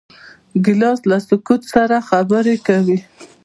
ګیلاس له سکوت سره خبرې کوي.